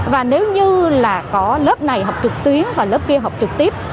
và nếu như là có lớp này học trực tuyến và lớp kia học trực tiếp